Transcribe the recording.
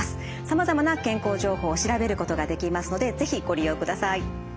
さまざまな健康情報を調べることができますので是非ご利用ください。